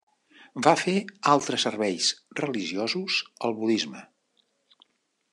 Va fer altres serveis religiosos al budisme.